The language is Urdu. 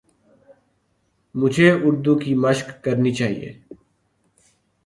مجھے اردو کی مَشق کرنی چاہیے